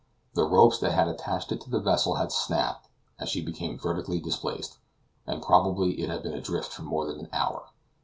The ropes that had attached it to the vessel had snapped as she became vertically displaced, and probably it had been adrift for more than an hour.